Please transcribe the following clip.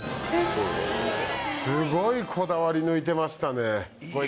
すごいこだわり抜いてましたね。